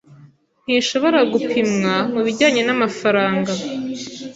Ntishobora gupimwa mubijyanye namafaranga.